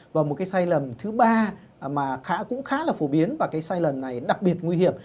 và một cái sai lầm thứ ba mà cũng khá là phổ biến và cái sai lầm này đặc biệt nguy hiểm